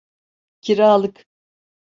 Kiralık.